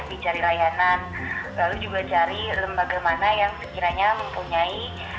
dicari layanan lalu juga cari lembaga mana yang sekiranya mempunyai